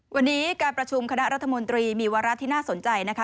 วันนี้การประชุมคณะรัฐมนตรีมีวาระที่น่าสนใจนะคะ